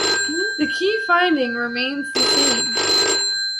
The key finding remains the same.